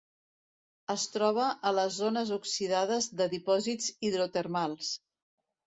Es troba a les zones oxidades de dipòsits hidrotermals.